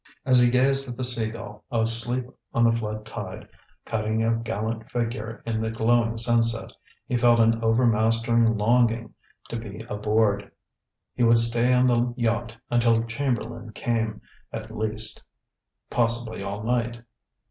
As he gazed at the Sea Gull, asleep on the flood tide, cutting a gallant figure in the glowing sunset, he felt an overmastering longing to be aboard. He would stay on the yacht until Chamberlain came, at least; possibly all night.